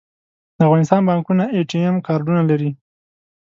د افغانستان بانکونه اې ټي ایم کارډونه لري